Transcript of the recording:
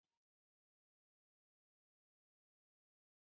د ژبې د وده لپاره باید مختلفو فرهنګونو ته هم پام وشي.